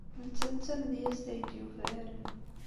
Nettat d tamedyazt ay d-yufraren.